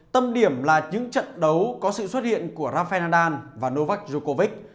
tâm điểm là những trận đấu có sự xuất hiện của rafael nadal và novak djokovic